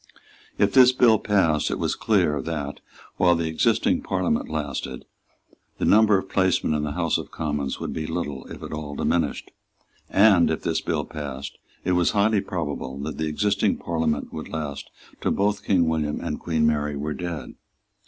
If this bill passed, it was clear that, while the existing Parliament lasted, the number of placemen in the House of Commons would be little, if at all, diminished; and, if this bill passed, it was highly probable that the existing Parliament would last till both King William and Queen Mary were dead.